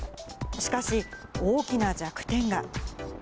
しかし、大きな弱点が。